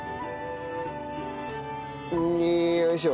よいしょ。